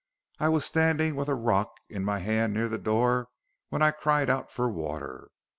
I was standing with a rock in my hand near the door, when I cried out for water....